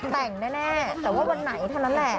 แต่งแน่แต่ว่าวันไหนเท่านั้นแหละ